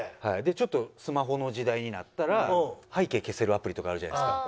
ちょっとスマホの時代になったら背景消せるアプリとかあるじゃないですか。